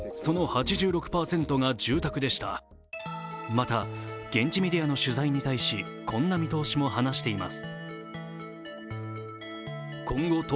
また、現地メディアの取材に対しこんな見通しも話しています。